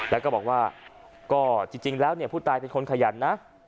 แล้วก็บอกว่าก็จริงแล้วเนี่ยผู้ตายเป็นคนขยันนะ